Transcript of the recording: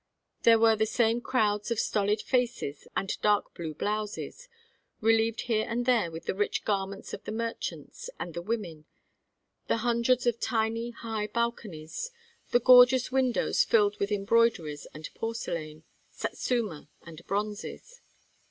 There were the same crowds of stolid faces and dark blue blouses, relieved here and there with the rich garments of the merchants and the women; the hundreds of tiny high balconies; the gorgeous windows filled with embroideries and porcelain, Satsuma and bronzes.